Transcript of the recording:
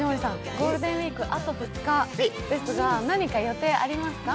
ゴールデンウイーク、あと２日ですが何か予定ありますか？